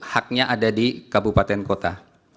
haknya ada di kabupaten kota